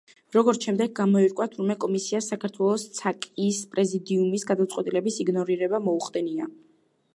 როგორც შემდეგ გამოირკვა, თურმე კომისიას საქართველოს ცაკ-ის პრეზიდიუმის გადაწყვეტილების იგნორირება მოუხდენია.